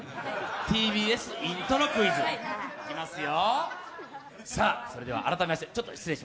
「ＴＢＳイントロクイズ」いきますよ。